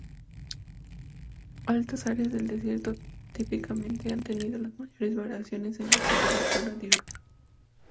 Altas áreas del desierto típicamente han tenido las mayores variaciones en la temperatura diurna.